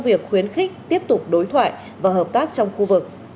tổng thư ký cũng khuyến khích tiếp tục đối thoại và hợp tác trong khu vực